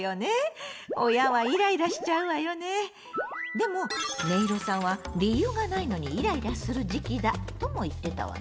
でもねいろさんは「理由がないのにイライラする時期だ」とも言ってたわね。